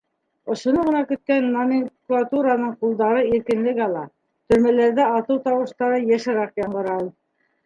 Ошоно ғына көткән номенклатураның ҡулдары иркенлек ала, төрмәләрҙә атыу тауыштары йышыраҡ яңғырай.